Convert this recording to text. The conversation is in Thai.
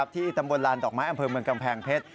ที่ตำบลลานดอกไม้อำเภอเมืองกำแพงเพชร